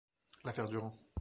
L'affaire Durand.